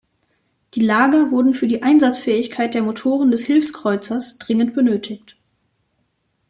Die Lager wurden für die Einsatzfähigkeit der Motoren des Hilfskreuzers dringend benötigt.